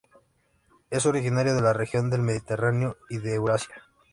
Es originario de la región del Mediterráneo y de Eurasia.